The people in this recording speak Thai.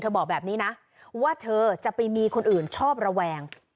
บอกแบบนี้นะว่าเธอจะไปมีคนอื่นชอบระแวง